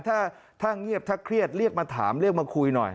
ถ้าเงียบถ้าเครียดเรียกมาถามเรียกมาคุยหน่อย